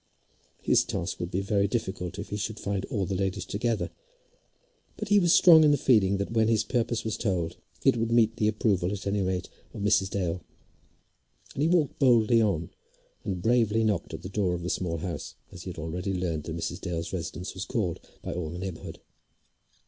His task would be very difficult if he should find all the ladies together. But he was strong in the feeling that when his purpose was told it would meet the approval at any rate of Mrs. Dale; and he walked boldly on, and bravely knocked at the door of the Small House, as he had already learned that Mrs. Dale's residence was called by all the neighbourhood.